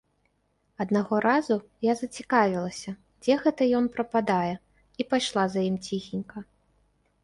Аднаго разу я зацікавілася, дзе гэта ён прападае, і пайшла за ім ціхенька.